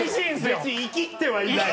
別にイキってはいない。